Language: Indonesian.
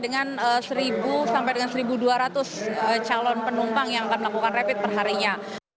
dengan seribu sampai dengan satu dua ratus calon penumpang yang akan melakukan rapid perharinya